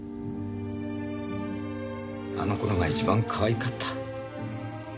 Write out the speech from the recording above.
あの頃が一番かわいかった。